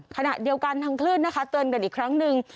ขณะเดียวกันทางคลื่นนะคะเตือนกันอีกครั้งหนึ่ง